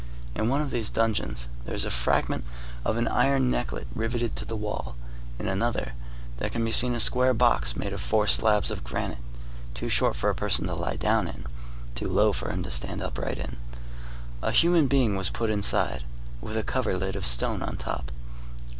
In one of these dungeons, there is a fragment of an iron necklet riveted to the wall; in another, there can be seen a square box made of four slabs of granite, too short for a person to lie down in, too low for him to stand upright in. A human being was put inside, with a coverlid of stone on top.